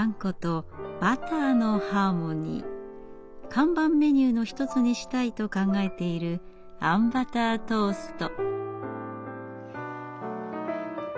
看板メニューの一つにしたいと考えているあんバタートースト。